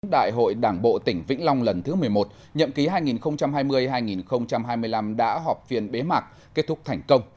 đại hội đảng bộ tỉnh vĩnh long lần thứ một mươi một nhậm ký hai nghìn hai mươi hai nghìn hai mươi năm đã họp phiên bế mạc kết thúc thành công